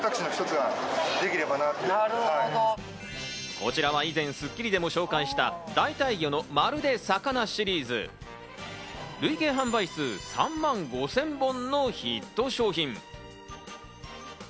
こちらは以前『スッキリ』でも紹介した代替魚の、まるで魚シリーズ。累計販売数３万５０００本のヒット商品。